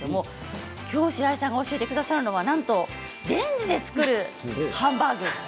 きょう、しらいさんが教えてくださるのはなんとレンジで作るハンバーグ。